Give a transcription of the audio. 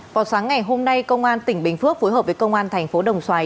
vào sáng ngày hôm nay công an tỉnh bình phước phối hợp với công an thành phố đồng xoài